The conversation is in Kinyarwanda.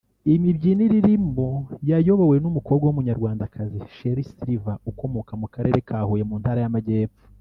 imibyinire irimo yayobowe n’umukobwa w’umunyarwandakazi Sherrie Silver ukomoka mu karere ka Huye mu ntara y’Amajyepfo